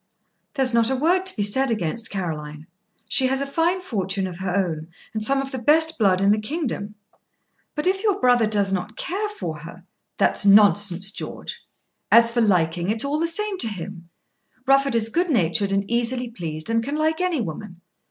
"There is not a word to be said against Caroline. She has a fine fortune of her own, and some of the best blood in the kingdom." "But if your brother does not care for her, " "That's nonsense, George. As for liking, it's all the same to him. Rufford is good natured, and easily pleased, and can like any woman.